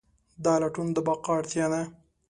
دا لټون د بقا اړتیا ده.